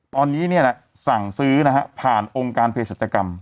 ตอนนี้สั่งซื้อนะฮะผ่านองค์การเพศรัชกรรม